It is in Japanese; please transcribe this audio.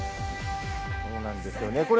そうなんですよね。